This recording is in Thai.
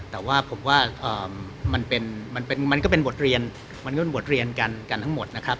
แต่ว่าผมว่ามันก็เป็นบทเรียนกันทั้งหมดนะครับ